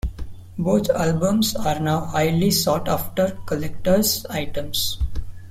Both albums are now highly sought-after collectors' items.